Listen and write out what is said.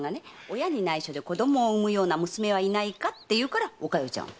「親に内緒で子供を産むような娘はいないか」って言うからお加代ちゃんを。